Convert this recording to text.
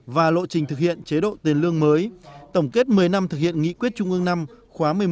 và lộ trình thực hiện chế độ tiền lương mới tổng kết một mươi năm thực hiện nghị quyết trung ương năm khóa một mươi một